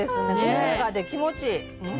豪華で気持ちいい。